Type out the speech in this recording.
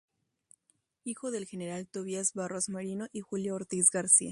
Hijo del General Tobías Barros Merino y Julia Ortiz García.